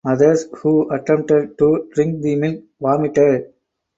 Others who attempted to drink the milk vomited.